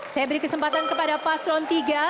saya beri kesempatan kepada paslon tiga